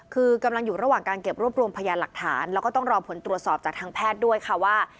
คือกำลังอยู่ระหว่างการเก็บรวบรวมพยานหลักฐานแล้วก็ต้องรอผลตรวจสอบจากทางแพทย์ด้วยค่ะว่า